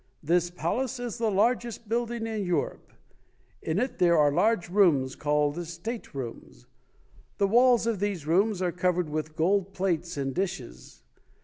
This palace is the largest building in Europe. In it there are large rooms called state rooms. The walls of these rooms are covered with gold plates and dishes.